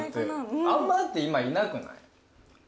あんま今いなくない？